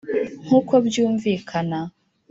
nkuko byumvikana,